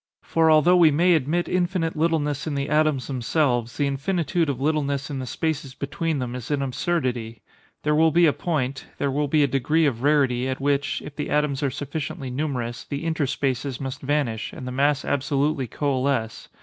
For although we may admit infinite littleness in the atoms themselves, the infinitude of littleness in the spaces between them is an absurdity. There will be a point—there will be a degree of rarity, at which, if the atoms are sufficiently numerous, the interspaces must vanish, and the mass absolutely coalesce.